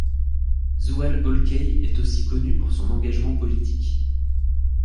Zuhal Olcay est aussi connue pour son engagement politique.